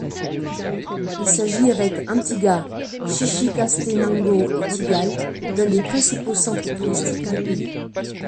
Il s'agit, avec Antigua, Chichicastenango et Tikal, d'un des principaux centres touristiques du pays.